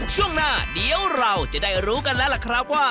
ช่วงหน้าเดี๋ยวเราจะได้รู้กันแล้วล่ะครับว่า